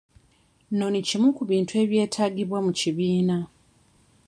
Ennoni kimu ku bintu ebyetaagibwa mu kibiina.